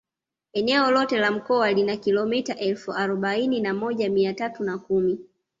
Eneo lote la mkoa lina kilometa elfu arobaini na moja mia tatu na kumi